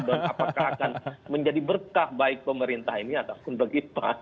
apakah akan menjadi berkah baik pemerintah ini ataupun begitu